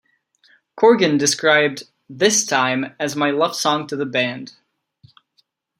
Corgan described "This Time" as "my love song to the band".